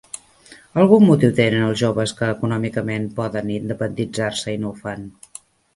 Algun motiu tenen els joves que econòmicament poden independitzar-se i no ho fan.